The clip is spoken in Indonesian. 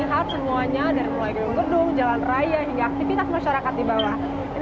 kita lihat semuanya dari mulai gedung gedung jalan raya hingga aktivitas masyarakat di bawah